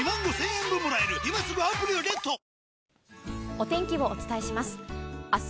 お天気をお伝えします。